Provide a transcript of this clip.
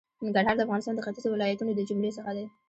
ننګرهار د افغانستان د ختېځو ولایتونو د جملې څخه دی.